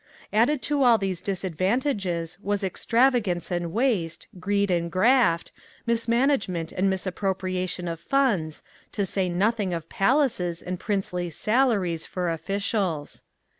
Added to all these disadvantages was extravagance and waste, greed and graft, mismanagement and misappropriation of funds to say nothing of palaces and princely salaries for officials.